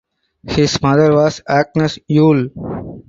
His mother was Agnes Yule.